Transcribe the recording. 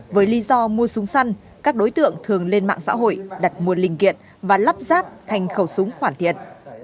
với lý do mua súng săn các đối tượng thường lên mạng xã hội đặt mua linh kiện và lắp ráp thành khẩu súng hoàn thiện